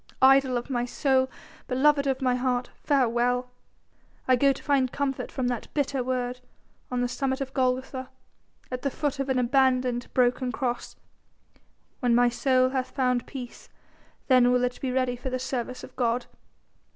"Idol of my soul, beloved of my heart, farewell. I go to find comfort from that bitter word on the summit of Golgotha, at the foot of an abandoned, broken Cross. When my soul hath found peace then will it be ready for the service of God.